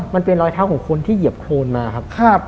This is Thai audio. มันเป็นรอยเท้าของคนที่เหยียบโครนมาครับ